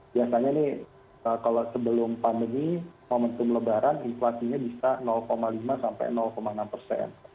biasanya ini kalau sebelum pandemi momentum lebaran inflasinya bisa lima sampai enam persen